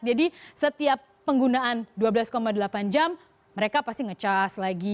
jadi setiap penggunaan dua belas delapan jam mereka pasti ngecas lagi